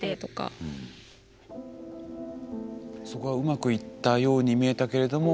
そこがうまくいったように見えたけれども。